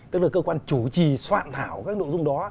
tức là cơ quan chủ trì soạn thảo các nội dung đó